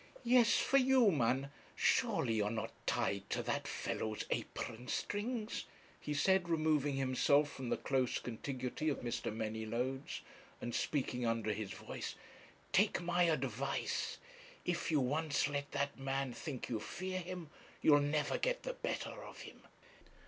'Yes, for you, man; surely you are not tied to that fellow's apron strings,' he said, removing himself from the close contiguity of Mr. Manylodes, and speaking under his voice; 'take my advice; if you once let that man think you fear him, you'll never get the better of him.'